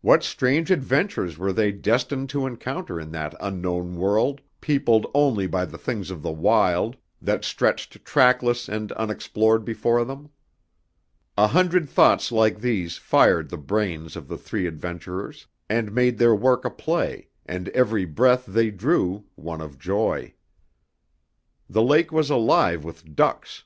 What strange adventures were they destined to encounter in that Unknown World, peopled only by the things of the wild, that stretched trackless and unexplored before them? A hundred thoughts like these fired the brains of the three adventurers, and made their work a play, and every breath they drew one of joy. The lake was alive with ducks.